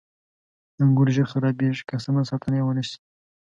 • انګور ژر خرابېږي که سمه ساتنه یې ونه شي.